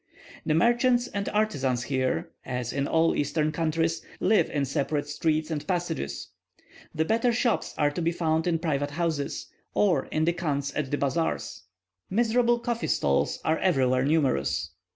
The merchants and artisans here, as in all eastern countries, live in separate streets and passages. The better shops are to be found in private houses, or in the chans at the bazaars. Miserable coffee stalls are everywhere numerous.